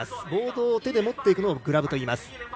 ボードを手で持っていくのをグラブといいます。